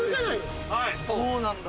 そうなんだ。